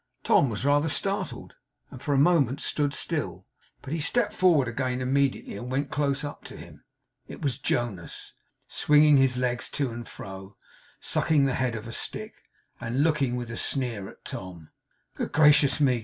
Tom was rather startled, and for a moment stood still, but he stepped forward again immediately, and went close up to him. It was Jonas; swinging his legs to and fro, sucking the head of a stick, and looking with a sneer at Tom. 'Good gracious me!